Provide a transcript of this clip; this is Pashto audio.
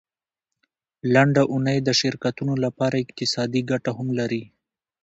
لنډه اونۍ د شرکتونو لپاره اقتصادي ګټه هم لري.